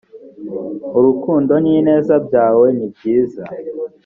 urukundo n ineza byawe nibyiza